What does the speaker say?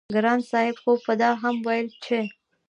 ګران صاحب خو به دا هم وييل چې